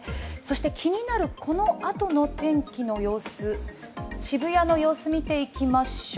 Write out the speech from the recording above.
気になるこのあとの天気の様子、渋谷の様子を見ていきましょう。